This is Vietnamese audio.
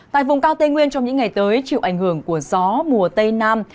tại vùng cao tây nguyên trong những ngày tới chịu ảnh hưởng của gió mùa tây nam